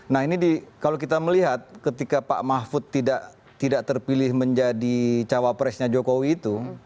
nah ini kalau kita melihat ketika pak mahfud tidak terpilih menjadi cawapresnya jokowi itu